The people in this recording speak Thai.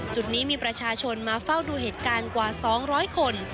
จุดนี้มีประชาชนมาเฝ้าดูเหตุการณ์กว่า๒๐๐คน